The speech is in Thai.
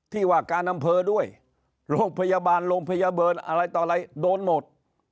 ที่ว่าการอำเภอด้วยโรงพยาบาลโรงพยาบาลอะไรต่ออะไรโดนหมด